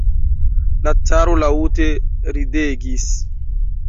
La caro laŭte ridegis.